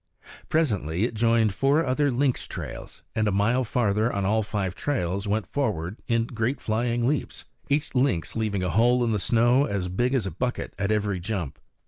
Presently it joined four other lynx trails, and a mile farther on all five trails went forward in great flying leaps, each lynx leaving a hole in the snow as big as a bucket at every jump.